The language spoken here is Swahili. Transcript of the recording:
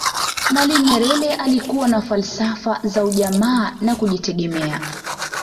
mwalimu nyerere alikuwa na falsafa za ujamaa na kujitegemea